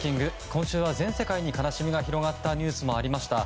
今週は全世界に悲しみが広がったニュースもありました。